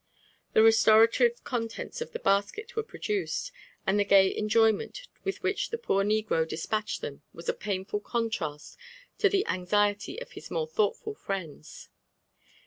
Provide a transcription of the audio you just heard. The restorative contents of the basket were produced, and the gay enjoyment with which the poor negro despatched them was a painful eontrast to the anxiety of his more thoughtful friends.